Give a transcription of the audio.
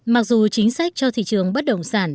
mặc dù chính sách cho thị trường bất động sản